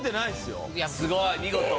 いやすごい見事！